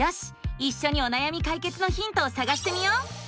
いっしょにおなやみ解決のヒントをさがしてみよう！